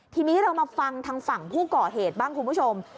ทีนี้เรามาฟังทางฝั่งผู้ก่อเหตุบ้างคุณผู้ชม